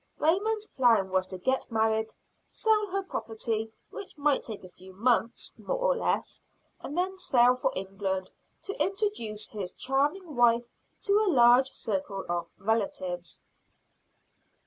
Raymond's plan was to get married; sell her property, which might take a few months, more or less; and then sail for England, to introduce his charming wife to a large circle of relatives.